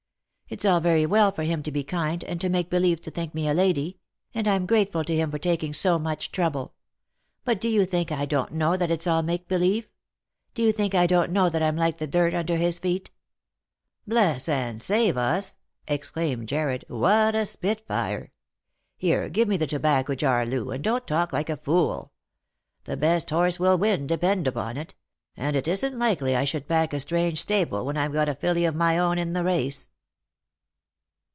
It's all very well for him to be kind, and to make believe to think me a lady ; and I'm grateful to him for taking so much trouble. But do you think I don't know that it's all make believe ? do you think I don't know that I'm like the dirt under his feet ?"" Bless and save us !" exclaimed Jarred, " what a spitfire ! Here, give me the tobacco jar, Loo, and don't talk like a fool. The best horse will win, depend upon it ; and it isn't likely I should back a strange stable, when I've got a filly of my own in the race."